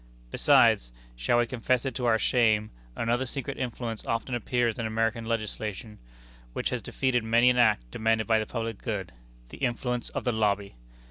Besides shall we confess it to our shame another secret influence often appears in American legislation, which has defeated many an act demanded by the public good the influence of the Lobby!